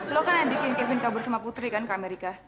lo kan yang bikin kepin kabur sama putri kan ke amerika